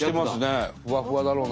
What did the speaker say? ふわふわだろうな。